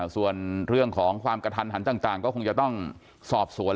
ส่วนเรื่องของความกระทันหันต่างก็คงจะต้องสอบสวน